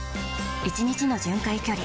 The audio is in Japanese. １日の巡回距離